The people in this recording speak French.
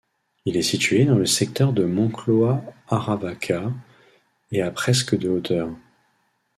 Il est situé dans le secteur de Moncloa-Aravaca et a presque de hauteur.